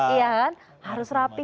iya kan harus rapi